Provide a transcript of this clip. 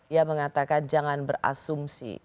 ia mengatakan jangan berasumsi